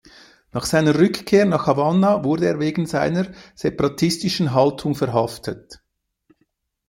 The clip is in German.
Nach seiner Rückkehr nach Havanna wurde er wegen seiner separatistischen Haltung verhaftet.